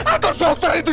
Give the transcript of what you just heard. atau dokter itu